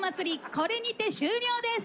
これにて終了です！